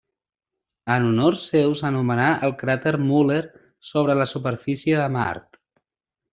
En honor seu s'anomenà el cràter Muller sobre la superfície de Mart.